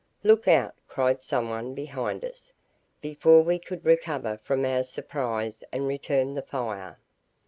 "Look out!" cried someone behind us, before we could recover from our first surprise and return the fire.